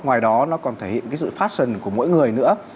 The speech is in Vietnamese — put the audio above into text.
ngoài đó nó còn thể hiện cái sự fashion của mỗi người nữa